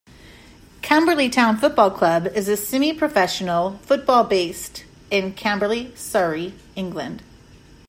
Camberley Town Football Club is a semi-professional football based in Camberley, Surrey, England.